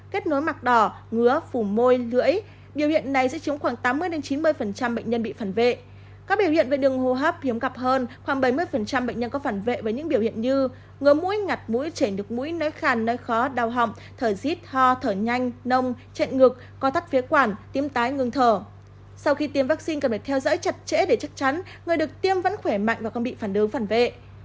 kết nối mạc đỏ ngứa phù môi lưỡi biểu hiện này sẽ chứng khoảng tám mươi chín mươi bệnh nhân bị phản vệ